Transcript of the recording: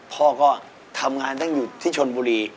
พ่อก็ทำงานอยู่ที่ชลบูรี